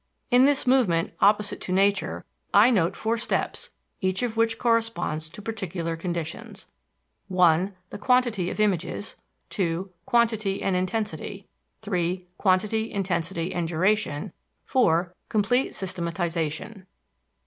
In this movement opposite to nature I note four steps, each of which corresponds to particular conditions: (1) The quantity of images; (2) quantity and intensity; (3) quantity, intensity and duration; (4) complete systematization.